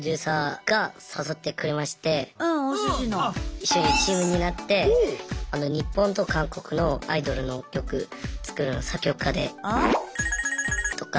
一緒にチームになって日本と韓国のアイドルの曲作る作曲家でとか。